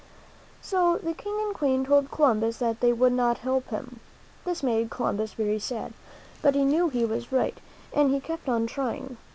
16 THE MAN WHO FOUND AMERICA So the King and Queen told Columbus that they would not help him. This made Columbus very sad. But he knew that he was right, and he kept on trying.